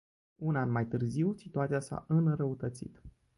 Un an mai târziu, situația s-a înrăutățit.